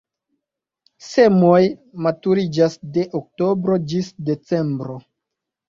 Semoj maturiĝas de oktobro ĝis decembro.